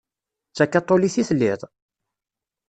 D takaṭulit i telliḍ?